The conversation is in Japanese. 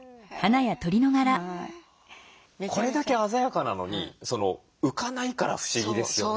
これだけ鮮やかなのに浮かないから不思議ですよね。